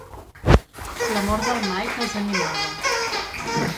L'amor del Mike els animava.